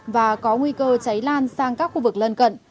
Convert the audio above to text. và có nguy cơ cháy lan sang các khu vực lân cận